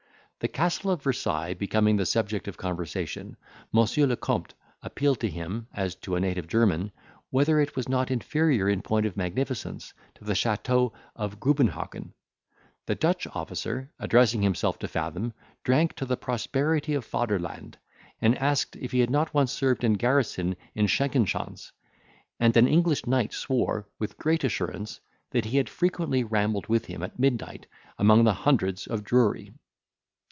The castle of Versailles becoming the subject of conversation, Monsieur le Compte appealed to him, as to a native German, whether it was not inferior in point of magnificence to the chateau of Grubenhagen. The Dutch officer, addressing himself to Fathom, drank to the prosperity of Faderland, and asked if he had not once served in garrison at Shenkenschans; and an English knight swore, with great assurance, that he had frequently rambled with him at midnight among the hundreds of Drury.